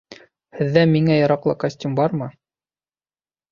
Һеҙҙә миңә яраҡлы костюм бармы?